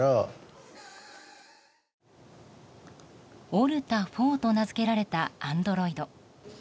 オルタ４と名付けられたアンドロイド。